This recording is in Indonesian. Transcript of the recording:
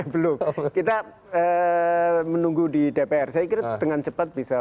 belum kita menunggu di dpr saya kira dengan cepat bisa